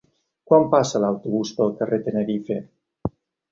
Quan passa l'autobús pel carrer Tenerife?